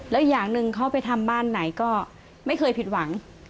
แล้วอย่างหนึ่งเขาไปทำบ้านไหนก็ไม่เคยผิดหวัง